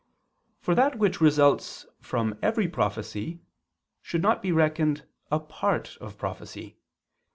For that which results from every prophecy should not be reckoned a part of prophecy.